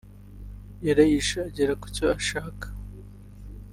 yarayishe agera ku cyo ashaka